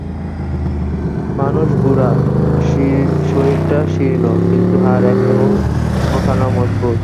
মানুষ বুড়া, শরীরটা শীর্ণ, কিন্তু হাড় কখানা মজবুত।